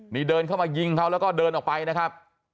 นี่เดินเข้ามายิงเขาแล้วก็เดินออกไปนะครับ